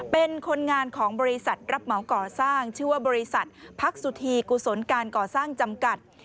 เป็นคนงานของบริษัทรับเหมาก่อสร้างชื่อว่าบริษัทพักสุธีกุศลการก่อสร้างจำกัด